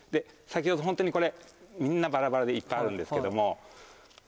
ホントにこれみんなバラバラでいっぱいあるんですけども。